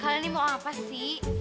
hal ini mau apa sih